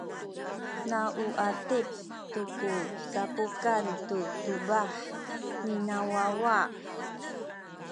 na u atip tu ku sapukan tu tubah nina wawa.